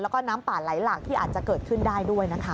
แล้วก็น้ำป่าไหลหลากที่อาจจะเกิดขึ้นได้ด้วยนะคะ